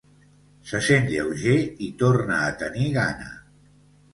Se sent lleuger i torna a tenir gana.